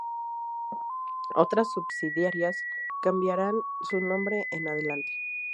Otras subsidiarias cambiarán su nombre en adelante.